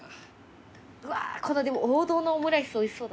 うわでも王道のオムライスおいしそうだな。